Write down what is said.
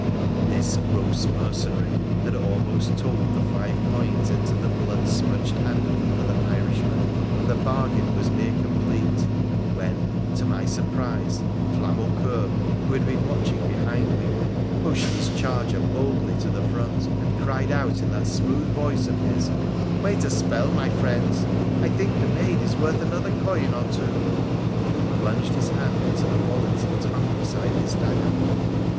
This gross mercenary had almost told the five coins into the blood smudged hand of the other Irishman, and the bargain was near complete, when, to my surprise, Flamaucceur, who had been watching behind me, pushed his charger boldly to the front, and cried out in that smooth voice of his, ' Wait a spell, my friends ! I think the maid is worth another coin or two !' and he plunged his hand into the wallet that hung beside his dagger.